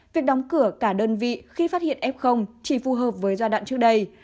việc đóng cửa cả đơn vị khi phát hiện f chỉ phù hợp với giai đoạn trước đây